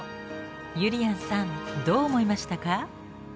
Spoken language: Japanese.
ゆりやんさんどう思いましたか？